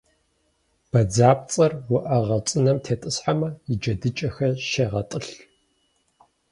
Бадзапцӏэр уӏэгъэ цӏынэм тетӏысхьэмэ, и джэдыкӏэхэр щегъэтӏылъ.